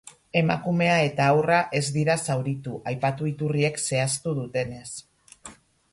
Emakumea eta haurra ez dira zauritu, aipatu iturriek zehaztu dutenez.